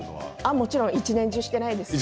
もちろん一年中していないです。